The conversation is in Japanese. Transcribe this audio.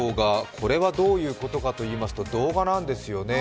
これはどういうことかといいますと動画なんですよね。